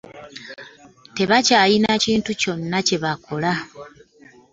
Tebakyalina kintu kyonna kye bakola